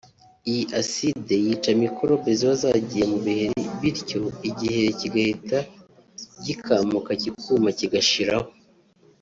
iyi acide yica mikorobe ziba zagiye mu biheri bityo igiheri kigahita gikamuka kikuma kigashiraho